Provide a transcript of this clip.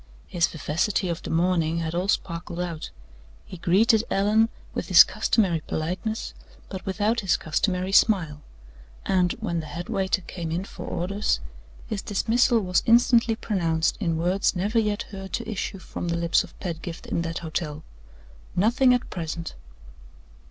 His vivacity of the morning had all sparkled out; he greeted Allan with his customary politeness, but without his customary smile; and, when the headwaiter came in for orders, his dismissal was instantly pronounced in words never yet heard to issue from the lips of Pedgift in that hotel: "Nothing at present."